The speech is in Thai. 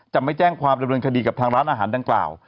จะไม่แจ้งความดำเนินคดีกับทางร้านอาหารดังกล่าว